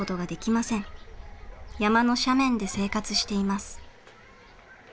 山の斜面で生活しています。